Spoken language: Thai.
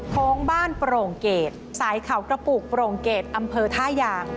โค้งบ้านโปร่งเกรดสายเขากระปุกโปร่งเกรดอำเภอท่ายาง